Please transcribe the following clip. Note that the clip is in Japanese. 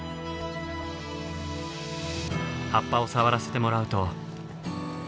葉っぱを触らせてもらうと。